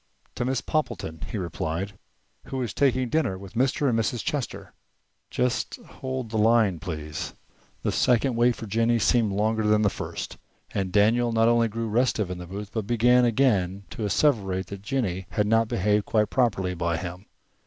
"To Miss Poppleton," he replied, "who is taking dinner with Mr. and Mrs. Chester." "Just hold the line, please." The second wait for Jennie seemed longer than the first, and Daniel not only grew restive in the booth, but began again to asseverate that Jennie had not behaved quite properly by him.